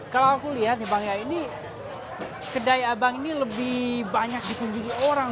kalau aku lihat nih bang ya ini kedai abang ini lebih banyak dikunjungi orang